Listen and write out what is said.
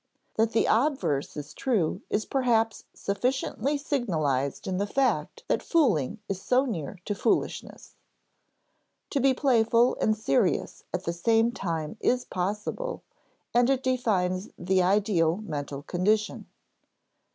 That the obverse is true is perhaps sufficiently signalized in the fact that fooling is so near to foolishness. To be playful and serious at the same time is possible, and it defines the ideal mental condition.